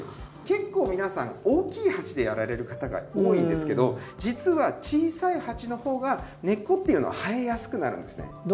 結構皆さん大きい鉢でやられる方が多いんですけど実は小さい鉢のほうが根っこっていうのは生えやすくなるんですね。